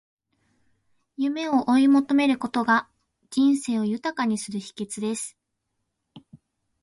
夢を追い求めることが、人生を豊かにする秘訣です。